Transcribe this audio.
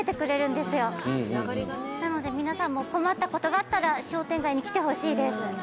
なので皆さんも困ったことがあったら商店街に来てほしいです。